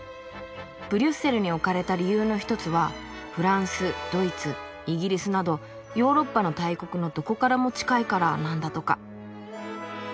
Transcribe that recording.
ブリュッセルに置かれた理由の一つはフランスドイツイギリスなどヨーロッパの大国のどこからも近いからなんだとか。